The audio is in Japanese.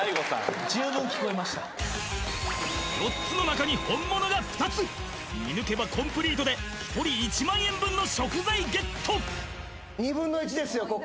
４つの中に本物が２つ見抜けばコンプリートで１人１万円分の食材ゲット２分の１ですよ